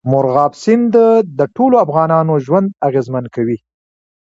مورغاب سیند د ټولو افغانانو ژوند اغېزمن کوي.